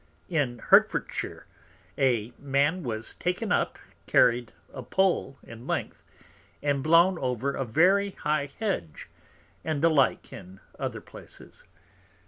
In Hertfordshire, a Man was taken up, carried a Pole in Length, and blown over a very high Hedge; and the like in other Places.